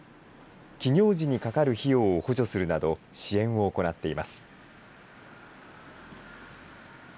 起業時にかかる費用を補助するなど、支援を行っています。